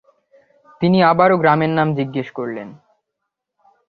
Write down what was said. তিনি আবারো গ্রামের নাম জিজ্ঞেস করলেন।